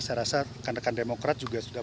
saya rasa kandakan demokrat juga sudah